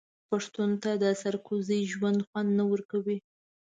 پښتون ته د سرکوزۍ ژوند خوند نه ورکوي.